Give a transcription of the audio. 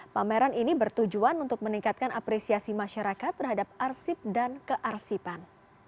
pameran ini bertujuan untuk meningkatkan apresiasi masyarakat terhadap arsip dan kearsipan